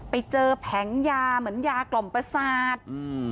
ไปเจอแผงยาเหมือนยากล่อมประสาท